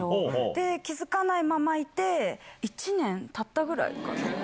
で、気付かないままいて、１年たったぐらいかな。